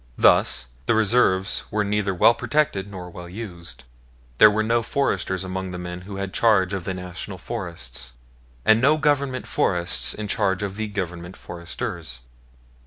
Thus the reserves were neither well protected nor well used. There were no foresters among the men who had charge of the National Forests, and no Government forests in charge of the Government foresters.